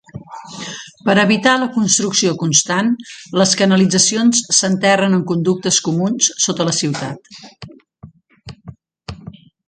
Per evitar la construcció constant, les canalitzacions s'enterren en conductes comuns sota la ciutat.